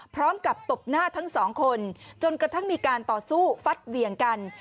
ตบหน้าทั้งสองคนจนกระทั่งมีการต่อสู้ฟัดเหวี่ยงกัน